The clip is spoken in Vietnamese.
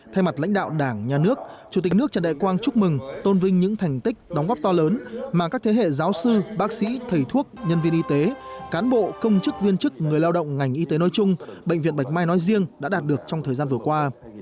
thay mặt lãnh đạo đảng nhà nước chủ tịch nước trần đại quang chúc mừng tôn vinh những thành tích đóng góp to lớn mà các thế hệ giáo sư bác sĩ thầy thuốc nhân viên y tế cán bộ công chức viên chức người lao động ngành y tế nói chung bệnh viện bạch mai nói riêng đã đạt được trong thời gian vừa qua